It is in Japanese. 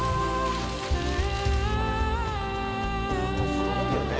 「すごいよね。